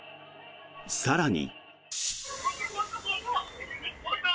更に。